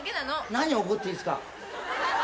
何怒ってるんですか？